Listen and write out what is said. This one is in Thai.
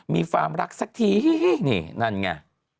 มีความรักสักทีนี่นั่นไง